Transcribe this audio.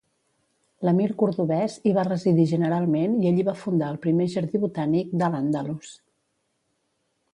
L'emir cordovès hi va residir generalment i allí va fundar el primer jardí botànic d'al-Àndalus.